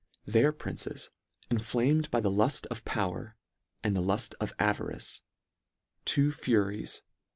Their princes inflamed by the luft of power and the luft of avarice, two furies, (£) Tacitus's An.